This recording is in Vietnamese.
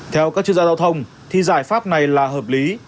theo các chuyên gia giao thông thì giải pháp này là hợp lý